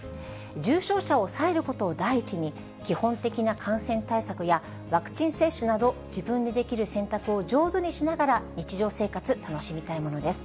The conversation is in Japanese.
重症者を抑えることを第一に、基本的な感染対策やワクチン接種など、自分でできる選択を上手にしながら、日常生活、楽しみたいものです。